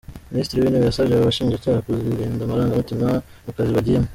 Minisitiri w’Intebe yasabye aba bashinjacyaha kuzirinda amarangamutima mu kazi bagiyemo.